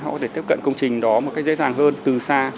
họ có thể tiếp cận công trình đó một cách dễ dàng hơn từ xa